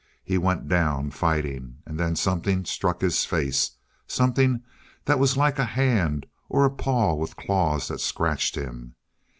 He went down, fighting. And then something struck his face something that was like a hand, or a paw with claws that scratched him.